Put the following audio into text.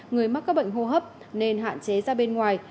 người mắc các bệnh hô hấp nên hạn chế ra bên ngoài